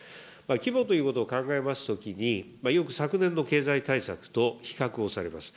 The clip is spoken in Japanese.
規模ということを考えますときに、よく昨年の経済対策と比較をされます。